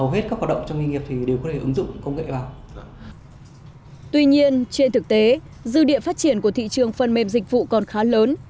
hiện tại thị trường phần mềm dịch vụ còn khá lớn